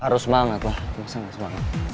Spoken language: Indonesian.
harus semangat lah masa gak semangat